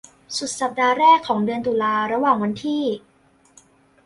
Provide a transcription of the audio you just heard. สุดสัปดาห์แรกของเดือนตุลาระหว่างวันที่